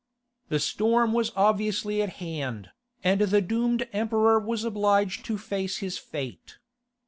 The storm was obviously at hand, and the doomed Emperor was obliged to face his fate.